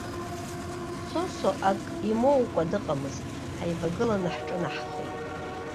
Сосо ак имоукуа дыҟамызт, ҳивагыланы ҳҿынаҳхеит.